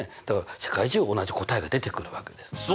だから世界中同じ答えが出てくるわけです。